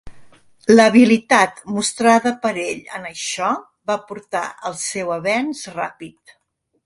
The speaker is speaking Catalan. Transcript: L'habilitat mostrada per ell en això va portar al seu avenç ràpid.